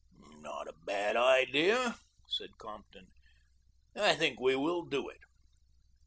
"Not a bad idea," said Compton. "I think we will do it."